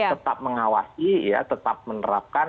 tetap mengawasi ya tetap menerapkan